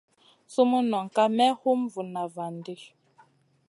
Sumun nong kaf may hum vuna van di.